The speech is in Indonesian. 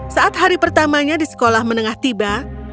saat hari pertamanya di sekolah menengah tiba